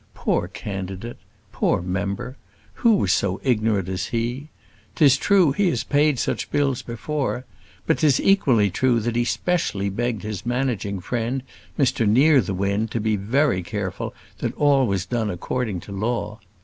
Poor candidate! Poor member! Who was so ignorant as he! 'Tis true he has paid such bills before; but 'tis equally true that he specially begged his managing friend, Mr Nearthewinde, to be very careful that all was done according to law!